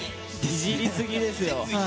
いじりすぎだよ！